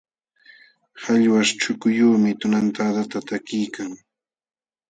Qallwaśh chukuyuqmi tunantadata takiykan.